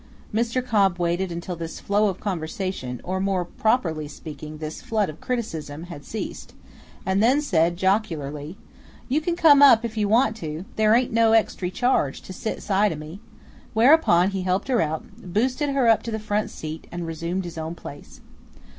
Mr. Cobb waited until this flow of conversation, or more properly speaking this flood of criticism, had ceased, and then said jocularly: "You can come up if you want to; there ain't no extry charge to sit side o' me." Whereupon he helped her out, "boosted" her up to the front seat, and resumed his own place.